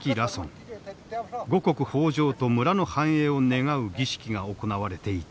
五穀豊穣と村の繁栄を願う儀式が行われていた。